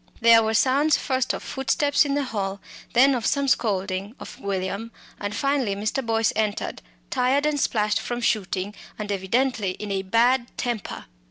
There were sounds first of footsteps in the hall, then of some scolding of William, and finally Mr. Boyce entered, tired and splashed from shooting, and evidently in a bad temper.